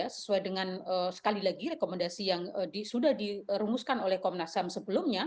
sesuai dengan sekali lagi rekomendasi yang sudah dirumuskan oleh komnas ham sebelumnya